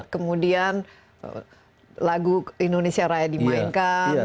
kemudian lagu indonesia raya dimainkan